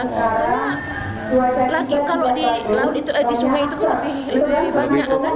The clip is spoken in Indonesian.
karena lagi kalau di sungai itu kan lebih banyak kan